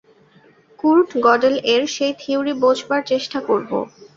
Kurt গডেল-এর সেই theory বোঝবার চেষ্টা করব।